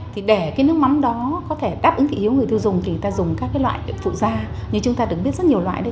thì để cái nước mắm đó có thể đáp ứng thị hiếu người tiêu dùng thì người ta dùng các cái loại phụ da như chúng ta được biết rất nhiều loại đấy